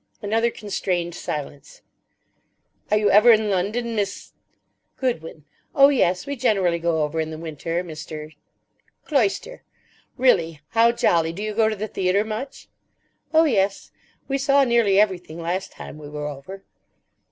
Another constrained silence. "Are you ever in London, Miss——?" "Goodwin. Oh, yes; we generally go over in the winter, Mr.——" "Cloyster. Really? How jolly. Do you go to the theatre much?" "Oh, yes. We saw nearly everything last time we were over."